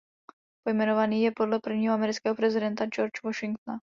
Pojmenovaný je podle prvního amerického prezidenta George Washingtona.